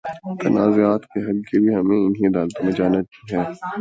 تنازعات کے حل کے لیے ہمیں انہی عدالتوں میں جانا ہے۔